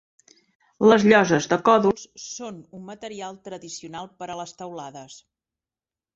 Les lloses de còdols són un material tradicional per a les teulades.